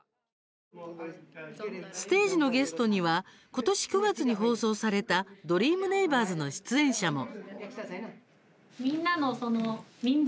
ステージのゲストには今年９月に放送された「ドリーム★ネイバーズ」の出演者も。